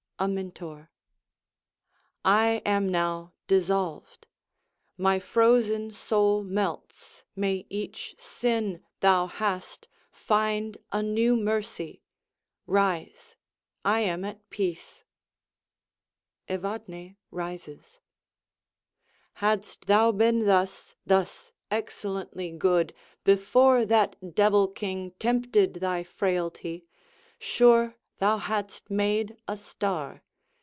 Amintor I am now dissolved: My frozen soul melts. May each sin thou hast, Find a new mercy! Rise; I am at peace. [Evadne rises.] Hadst thou been thus, thus excellently good, Before that devil king tempted thy frailty, Sure thou hadst made a star.